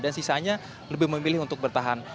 dan sisanya lebih memilih untuk bertahan